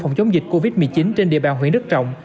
phòng chống dịch covid một mươi chín trên địa bàn huyện đức trọng